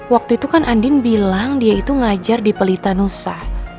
waktu itu kan andin bilang dia itu ngajar di pelita nusa